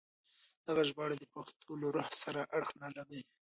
دغه ژباړه د پښتو له روح سره اړخ نه لګوي.